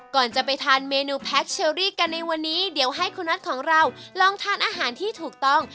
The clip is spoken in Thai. ก่อนจะไปทานเมนูแพ็คเชอรี่กันในวันนี้เดี๋ยวให้คุณน็อตของเราลองทานอาหารที่ถูกต้อง